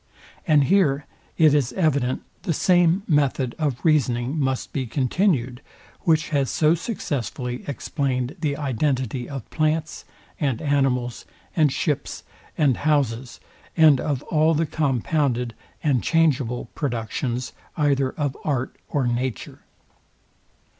And here it is evident, the same method of reasoning must be continued which has so successfully explained the identity of plants, and animals, and ships, and houses, and of all the compounded and changeable productions either of art or nature.